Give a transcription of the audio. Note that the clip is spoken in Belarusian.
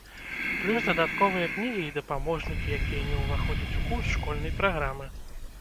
Плюс дадатковыя кнігі і дапаможнікі, якія не ўваходзяць у курс школьнай праграмы.